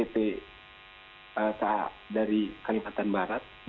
pt dari kalimantan barat